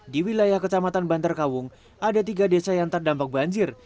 di wilayah kecamatan bantarkawung ada tiga desa yang terdampak banjir